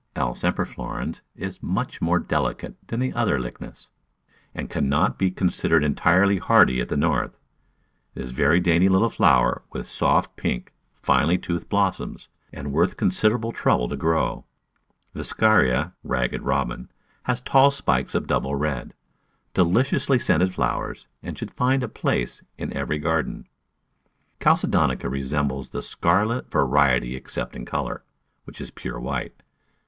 L. semper florens is much more delicate than the other Lychnis, and cannot be considered entirely hardy at the North. It is a very dainty little flower with soft pink, finely Digitized by Google Eighteen] f^tt^ ^1^6 & $UUtt6 '99 toothed blossoms, and worth considerable trouble to grow. Viscaria (Ragged Robin) has tall spikes of double red, deliciously scented flowers, and should find a place in every garden. Chalcedonica resem bles the scarlet variety except in colour, which is pure white.